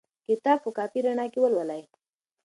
کتاب په کافي رڼا کې ولولئ.